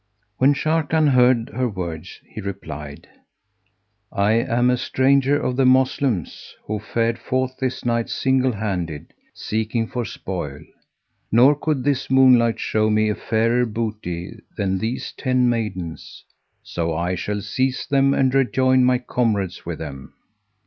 When Sharrkan heard her words he replied, "I am a stranger of the Moslems, who fared forth this night single handed, seeking for spoil; nor could this moonlight show me a fairer booty than these ten maidens; so I shall seize them; and rejoin my comrades with them."